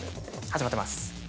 始まってます。